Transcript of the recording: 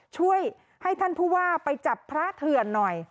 ช่วยให้ท่านผู้ว่าไปจับพระเถื่อนหน่อย